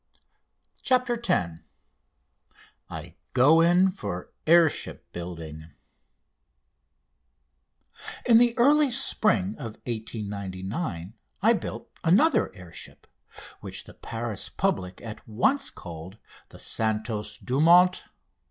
CHAPTER X I GO IN FOR AIRSHIP BUILDING In the early spring of 1899 I built another air ship, which the Paris public at once called "The Santos Dumont No.